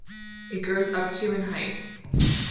It grows up to in height.